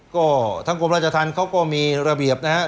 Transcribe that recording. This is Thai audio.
ก็ทางกรมราชธรรมเขาก็มีระเบียบนะครับ